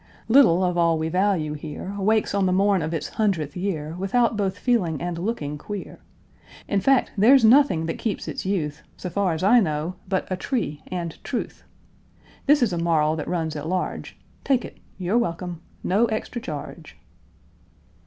Little of all we value here Wakes on the morn of its hundredth year Without both feeling and looking queer. In fact, there's nothing that keeps its youth, So far as I know, but a tree and truth. (This is a moral that runs at large; Take it. You're welcome. No extra charge.)